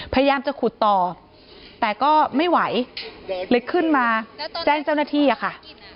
พยายามจะขุดต่อแต่ก็ไม่ไหวเลยขึ้นมาแจ้งเจ้าหน้าที่อะค่ะ